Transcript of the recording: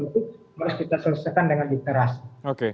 itu harus kita selesaikan dengan literasi